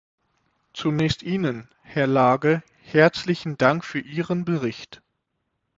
Zunächst Ihnen, Herr Lage, herzlichen Dank für Ihren Bericht.